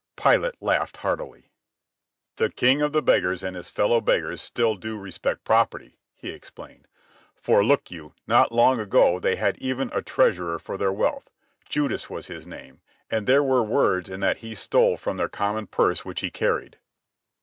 Pilate laughed heartily. "This king of the beggars and his fellow beggars still do respect property," he explained. "For, look you, not long ago they had even a treasurer for their wealth. Judas his name was, and there were words in that he stole from their common purse which he carried."